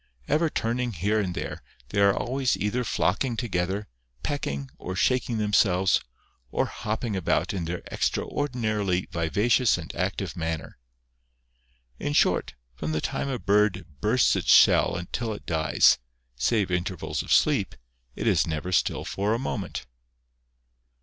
Ever turning here and there, they are always either flocking together, pecking, or shaking them selves, or hopping about in their extraordinarily viva cious and active manner. In short, from the time a bird bursts its shell until it dies, save intervals of sleep, it is never still for a moment.